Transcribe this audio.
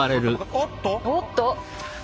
おっと。